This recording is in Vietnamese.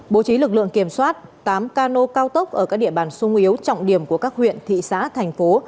bố trí lực lượng kiểm soát tám cano cao tốc ở các địa bàn sung yếu trọng điểm của các huyện thị xã thành phố